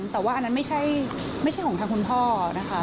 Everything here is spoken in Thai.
แต่ว่าอันนั้นไม่ใช่ของทางคุณพ่อนะคะ